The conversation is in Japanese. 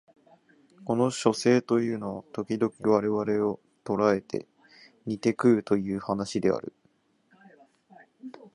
この書生というのは時々我々を捕えて煮て食うという話である